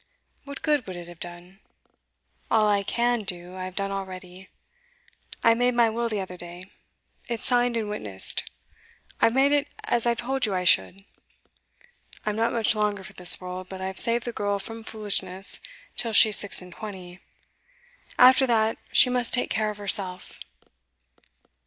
What good would it have done? All I can do I've done already. I made my will the other day; it's signed and witnessed. I've made it as I told you I should. I'm not much longer for this world, but I've saved the girl from foolishness till she's six and twenty. After that she must take care of herself.